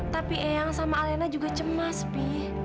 tapi eyang sama alena juga cemas sih